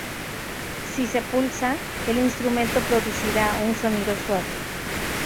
Si se pulsa, el instrumento producirá un sonido suave.